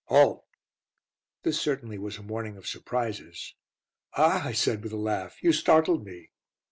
"Halt!" This certainly was a morning of surprises. "Ah," I said, with a laugh, "you startled me."